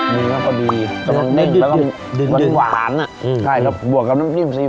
มื้อก็ดี